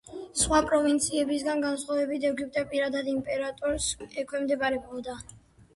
სხვა პროვინციებისგან განსხვავებით ეგვიპტე პირადად იმპერატორს ექვემდებარებოდა.